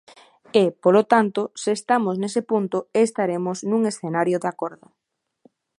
E, polo tanto, se estamos nese punto estaremos nun escenario de acordo.